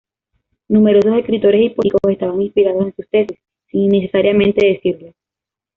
Numerosos escritores y políticos estaban inspirados en sus tesis, sin necesariamente decirlo.